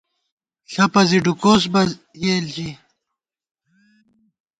ݪَپہ زِی ڈُوکوس بہ یېل ژِی، تېنݪی گُنانگار بِسا